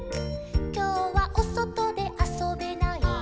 「きょうはおそとであそべない」「」